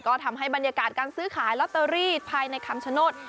ก็ทำให้บรรยากาศการซื้อขายลอตเตอรี่ภายในคำชโนธ